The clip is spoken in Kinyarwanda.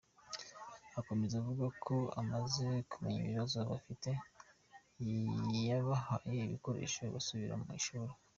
Akomeza avuga ko amaze kumenya ibibazo bafite yabahaye ibikoresho basubira mu ishuri.